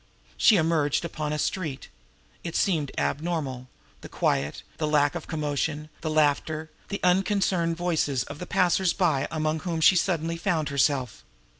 She emerged upon a street. It seemed abnormal, the quiet, the lack of commotion, the laughter, the unconcern in the voices of the passers by among whom she suddenly found herself.